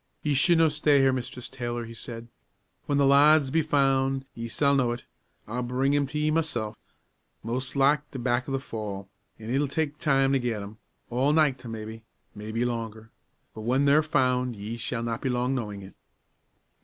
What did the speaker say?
"Ye should no stay here, Mistress Taylor," he said. "When the lads be found ye s'all know it; I'll bring 'em to ye mysel'. Mos' like they're back o' the fall, an' it'll tak' time to get 'em all nicht maybe, maybe longer; but when they're found, ye s'all not be long knowin' it."